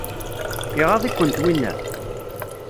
Iɣaḍ-ikent winna?